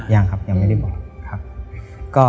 ยังครับยังไม่ได้บอกครับ